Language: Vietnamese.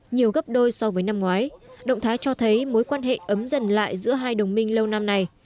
nhiều gấp đôi so với năm ngoái động thái cho thấy mối quan hệ ấm dần lại giữa hai đồng minh lâu năm này